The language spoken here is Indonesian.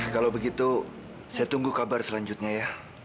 kalau begitu saya tunggu kabar selanjutnya ya